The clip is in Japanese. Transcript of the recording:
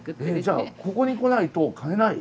じゃあここに来ないと買えない？